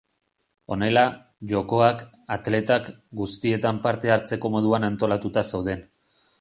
Honela, jokoak, atletak, guztietan parte hartzeko moduan antolatuta zeuden.